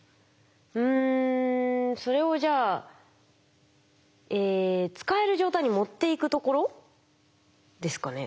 うんそれをじゃあえ使える状態に持っていくところですかね？